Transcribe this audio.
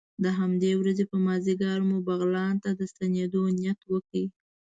د همدې ورځې په مازدیګر مو بغلان ته د ستنېدو نیت وکړ.